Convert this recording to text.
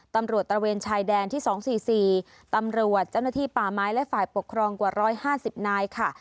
ตำรวจตระเวนชายแดนที่สองสี่สี่ตำรวจเจ้าหน้าที่ป่าไม้และฝ่ายปกครองกว่าร้อยห้าสิบนายค่ะ